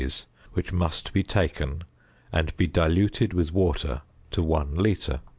which must be taken and be diluted with water to 1 litre.